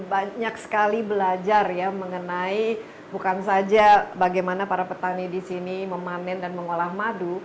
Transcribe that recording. banyak sekali belajar ya mengenai bukan saja bagaimana para petani di sini memanen dan mengolah madu